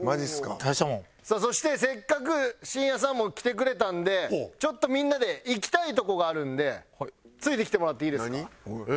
さあそしてせっかく真矢さんも来てくれたんでちょっとみんなでついてきてもらっていいですか？